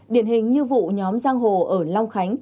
điển hình như vụ nhóm giang hồ ở long khánh